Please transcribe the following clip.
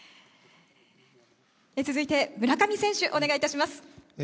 続いて村上選手、お願いいたします。